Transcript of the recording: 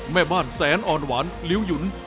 แม่บ้านแสนอ่อนหวานลิ้วหยุน